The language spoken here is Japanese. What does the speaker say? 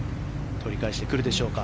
取り返してくるでしょうか